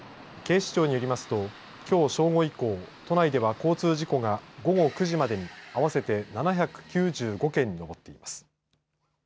警視庁によりますときょう正午以降都内では交通事故が午後９時までに合わせて７９５件に上っています。